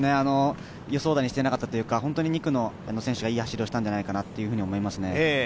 予想だにしていなかったというか、２区の選手がいい走りをしたんじゃないかなと思いますね。